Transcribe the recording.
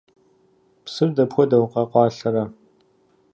Псыр дапхуэдэу къэкъуалъэрэ?